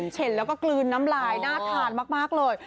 เห็นแล้วก็กลืนน้ำลายน่าทานมากเลย